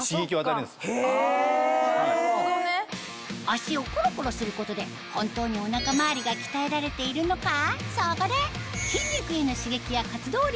足をコロコロすることで本当にお腹周りが鍛えられているのか？